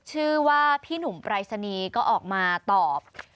ชื่อว่าพี่หนุ่มปรายศนีย์ก็ออกมาตอบ